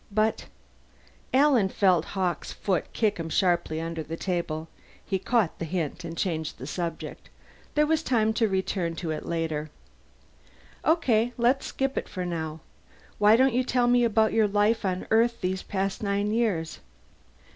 "But " Alan felt Hawkes' foot kick him sharply under the table. He caught the hint, and changed the subject. There was time to return to it later. "Okay, let's skip it for now. Why don't you tell me about your life on Earth these last nine years?"